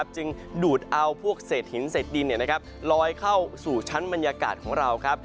จึงดูดเอาพวกเศษหินเศษดินลอยเข้าสู่ชั้นบรรยากาศของเรา